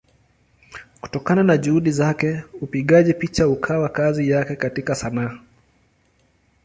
Kutokana na Juhudi zake upigaji picha ukawa kazi yake katika Sanaa.